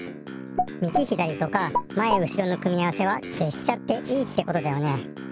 みぎひだりとかまえうしろの組み合わせはけしちゃっていいってことだよね。